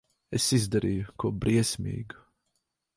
Es izdarīju ko briesmīgu.